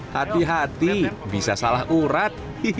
hati hati bisa salah urat